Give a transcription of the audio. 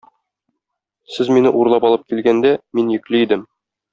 Сез мине урлап алып килгәндә, мин йөкле идем.